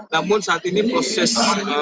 namun saat ini proses